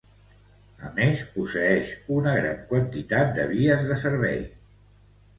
A més, posseïx una gran quantitat de vies de servici.